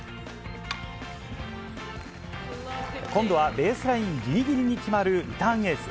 今度はベースラインぎりぎりに決まるリターンエース。